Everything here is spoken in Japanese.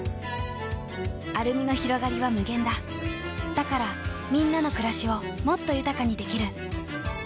だからみんなの暮らしをもっと豊かにできる。